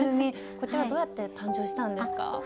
こちらどうやって誕生したんですか？